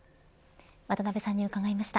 渡辺さんに伺いました。